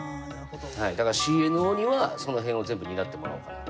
だからＣＮＯにはその辺を全部担ってもらおうかなって。